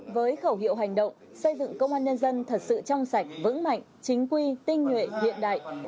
với khẩu hiệu hành động xây dựng công an nhân dân thật sự trong sạch vững mạnh chính quy tinh nhuệ hiện đại